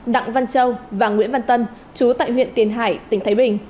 đặng văn châu và nguyễn văn tân chú tại huyện tiền hải tỉnh thái bình